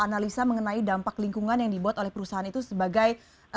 analisa mengenai dampak lingkungan yang dibuat oleh perusahaan itu sebagai